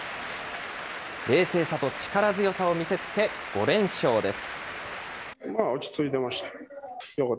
冷静さと力強さを見せつけ、５連勝です。